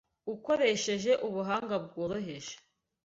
ukoresheje ubuhanga bworoheje